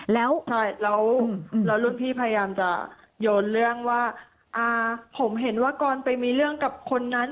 แล้วแล้วรุ่นพี่พยายามจะโยนเรื่องว่าผมเห็นว่ากรไปมีเรื่องกับคนนั้น